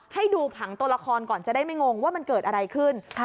ให้ดูผังตัวละครก่อนจะได้ไม่งงว่ามันเกิดอะไรขึ้น